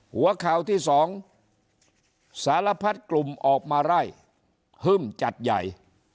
หัวข่าวที่สองสารพัดกลุ่มออกมาไล่ฮึ่มจัดใหญ่